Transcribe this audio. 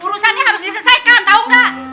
urusannya harus diselesaikan tau gak